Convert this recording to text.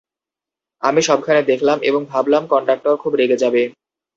আমি সবখানে দেখলাম, এবং ভাবলাম কন্ডাক্টর খুব রেগে যাবে।